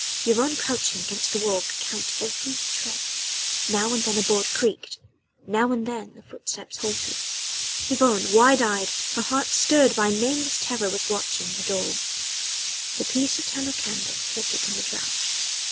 Yvonne crouching against the wall could count every tread now and then a board creaked now and then the footsteps halted. Yvonne, wide eyed, her heart stirred by a nameless terror was watching the door. The piece of tallow candle flickered in the draught.